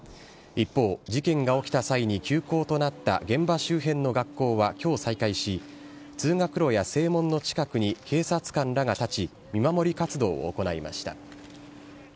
一方、事件が起きた際に休校となった現場周辺の学校はきょう再開し、通学路や正門の近くに警察官らが立ち、見守り活動を行いました。